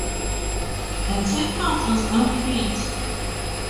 The teahouse was not hit.